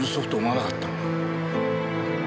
よかった。